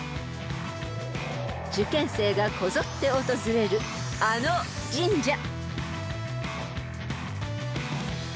［受験生がこぞって訪れるあの神社］